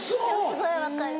すごい分かる。